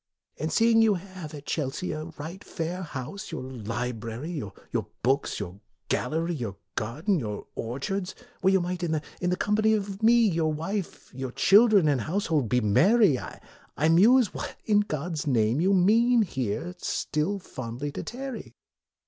And seeing you have at Chelsea a right, fair house, your library, your books, your gal lery, your garden, your orchards, where you might, in the company of me your wife, your children, and household, be merry, I muse what in God's name you mean here still fondly to tarry."